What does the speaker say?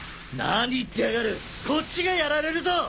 何言ってやがるこっちがやられるぞ！